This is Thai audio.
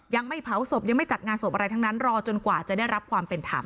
ยังไม่เผาศพยังไม่จัดงานศพอะไรทั้งนั้นรอจนกว่าจะได้รับความเป็นธรรม